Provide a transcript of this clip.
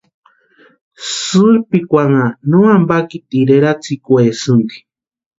Sïrpikwanha no ampatiri eratsikwaesïnti.